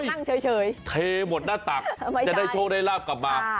นั่งเฉยเทหมดหน้าตักจะได้โชคได้ลาบกลับมา